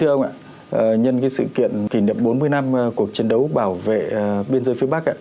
thưa ông ạ nhân cái sự kiện kỷ niệm bốn mươi năm cuộc chiến đấu bảo vệ biên giới phía bắc